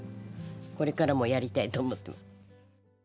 これからもやりたいと思って。